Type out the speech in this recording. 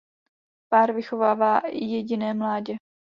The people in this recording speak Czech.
Pár vychovává jediné mládě.